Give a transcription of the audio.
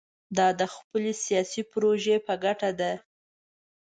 دا د خپلې سیاسي پروژې په ګټه ده.